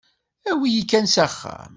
Awi-yi kan s axxam.